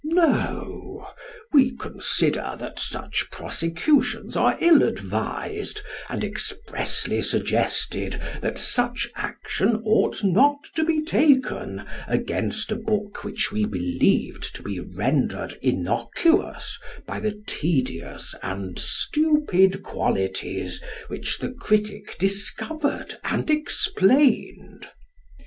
No; we consider that such prosecutions are ill advised, and expressly suggested that such action ought not to be taken against a book which we believed to be rendered innocuous by the tedious and stupid qualities which the critic discovered and explained.